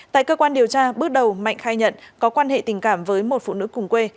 tại cơ quan điều tra bước đầu mạnh khai nhận có quan hệ tình cảm với một phụ nữ cùng quê